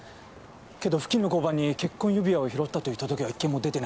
けど付近の交番に結婚指輪を拾ったという届けは１件も出てない。